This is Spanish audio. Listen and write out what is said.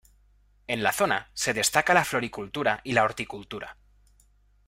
En la zona se destaca la floricultura y la horticultura.